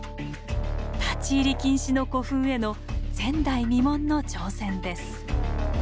立ち入り禁止の古墳への前代未聞の挑戦です。